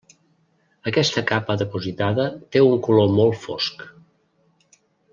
Aquesta capa depositada té un color molt fosc.